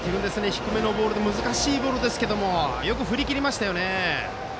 低めの難しいボールですがよく振りきりましたよね。